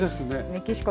メキシコ。